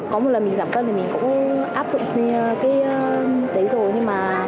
có một lần mình giảm cân thì mình cũng áp dụng như thế rồi